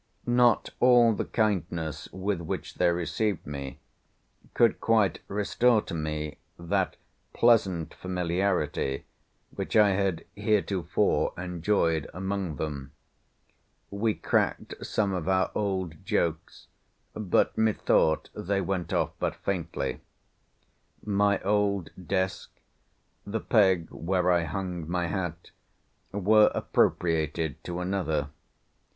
Not all the kindness with which they received me could quite restore to me that pleasant familiarity, which I had heretofore enjoyed among them. We cracked some of our old jokes, but methought they went off but faintly. My old desk; the peg where I hung my hat, were appropriated to another.